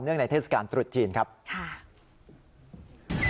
เนื่องในเทศกาลตรุษจีนครับค่ะค่ะ